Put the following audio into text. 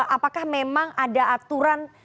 apakah memang ada aturan